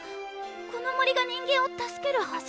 この森が人間を助けるはず